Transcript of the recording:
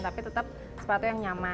tapi tetap sepatu yang nyaman